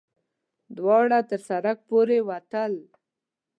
دواړه تر سړک پورې وتل.